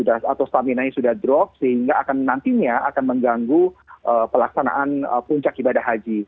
atau stamina nya sudah drop sehingga nantinya akan mengganggu pelaksanaan kuncak ibadah haji